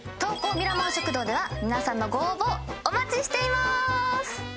ミラモン食堂では皆さんのご応募お待ちしていまーす。